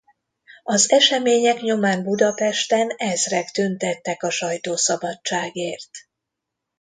Az események nyomán Budapesten ezrek tüntettek a sajtószabadságért.